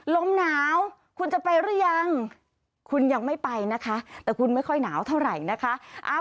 ลมหนาวคุณจะไปหรือยังคุณยังไม่ไปนะคะแต่คุณไม่ค่อยหนาวเท่าไหร่นะคะ